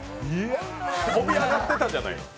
跳び上がってたじゃないですか。